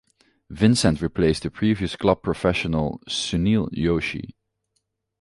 Vincent replaced the previous club professional, Sunil Joshi.